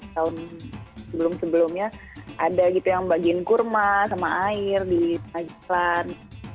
tahun sebelum sebelumnya ada gitu yang bagiin kurma sama air di penajalan